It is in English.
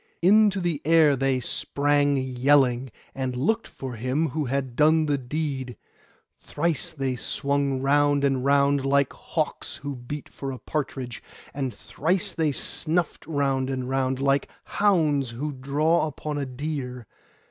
Into the air they sprang yelling and looked for him who had done the deed. Thrice they swung round and round, like hawks who beat for a partridge; and thrice they snuffed round and round, like hounds who draw upon a deer.